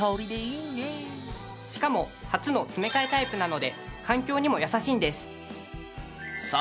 しかも初の詰め替えタイプなので環境にも優しいんです。